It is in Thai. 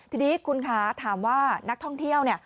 ทีนี้คุณคะถามว่านักท่องเที่ยวเนี่ย